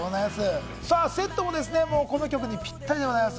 セットもこの曲にぴったりでございます。